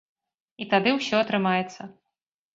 І тады ўсё атрымаецца.